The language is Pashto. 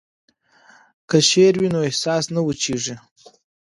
که شعر وي نو احساس نه وچیږي.